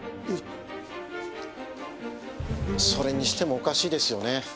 それにしてもおかしいですよね。